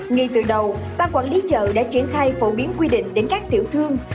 ngay từ đầu ban quản lý chợ đã triển khai phổ biến quy định đến các tiểu thương